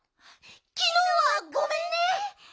きのうはごめんね。